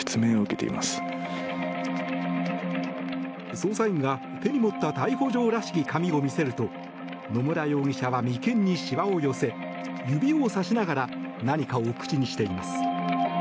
捜査員が、手に持った逮捕状らしき紙を見せると野村容疑者は眉間にしわを寄せ指をさしながら何かを口にしています。